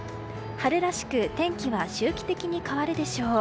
春らしく天気は周期的に変わるでしょう。